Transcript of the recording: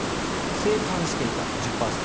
静観していた、１０％。